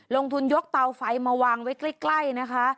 ลงทุนยกเตาไฟมาวางไว้ใกล้นะคะ